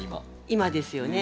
今ですよね。